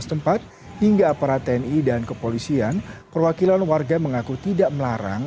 setempat hingga aparat tni dan kepolisian perwakilan warga mengaku tidak melarang